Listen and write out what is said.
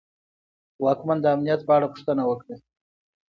واکمن د امنیت په اړه پوښتنه وکړه.